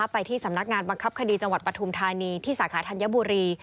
ไปที่สำนักงานบังคับคดีจังหวัดปฐุมธานีที่สาขาธัญบุรี